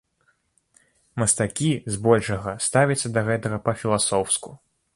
Мастакі, збольшага, ставіцца да гэтага па-філасофску.